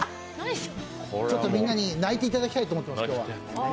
ちょっとみんなに泣いていただきたいと思ってます、今日は。